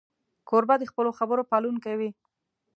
کوربه د خپلو خبرو پالونکی وي.